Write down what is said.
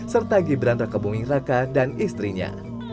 serta gibran rakabungi raka dan istrinya